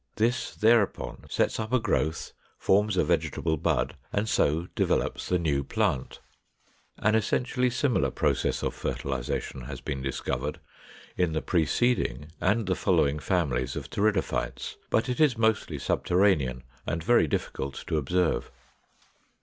This thereupon sets up a growth, forms a vegetable bud, and so develops the new plant. 491. An essentially similar process of fertilization has been discovered in the preceding and the following families of Pteridophytes; but it is mostly subterranean and very difficult to observe.